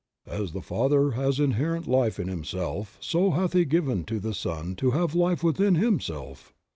"As the father has inherent life in himself, so hath he given to the Son to have life within himself."